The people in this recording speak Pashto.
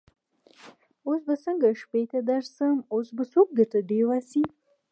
اوس به څنګه شپې ته درسم اوس به څوک درته ډېوه سي